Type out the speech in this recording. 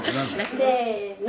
せの！